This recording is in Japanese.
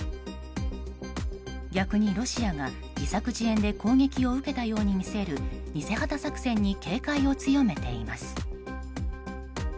逆にロシアが自作自演で攻撃を受けたように見せる偽旗作戦に警戒を強めています。